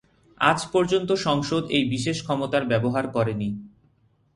আজ পর্যন্ত সংসদ এই বিশেষ ক্ষমতার ব্যবহার করেনি।